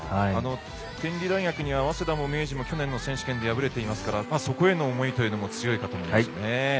天理大学には早稲田も明治も去年の選手権で敗れていますからそこへの思いというのも強いかと思いますね。